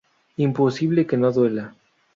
Imposible que no duela".